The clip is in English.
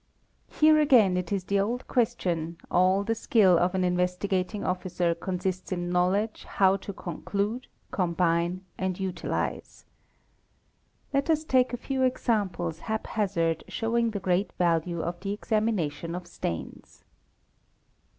Here again it is the old question, all the skill of an Investigating Officer consists in knowledge how to conclude, combine, and_ utilise. Let us take a few examples hap hazard showing the great value of the examination of stains.